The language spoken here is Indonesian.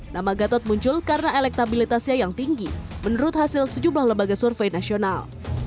nama gatot muncul karena elektabilitasnya yang tinggi menurut hasil sejumlah lembaga survei nasional